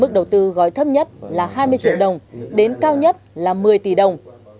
mức đầu tư gói thấp nhất là hai mươi triệu đồng đến cao nhất là một mươi tỷ đồng